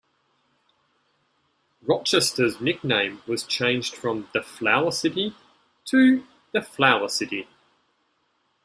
Rochester's nickname was changed from the Flour City to the Flower City.